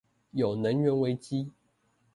有能源危機